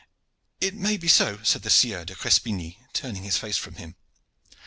'It may be so,' said the Sieur de Crespigny, turning his face from him.